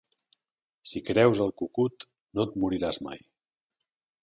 Si creus el cucut, no et moriràs mai.